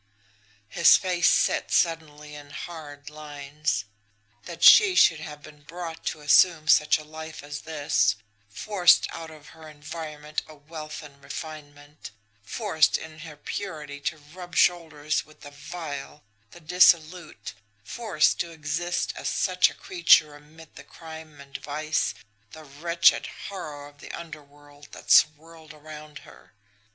His face set suddenly in hard lines. That she should have been brought to assume such a life as this forced out of her environment of wealth and refinement, forced in her purity to rub shoulders with the vile, the dissolute, forced to exist as such a creature amid the crime and vice, the wretched horror of the underworld that swirled around her!